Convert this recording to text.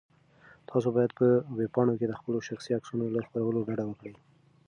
تاسو باید په ویبپاڼو کې د خپلو شخصي عکسونو له خپرولو ډډه وکړئ.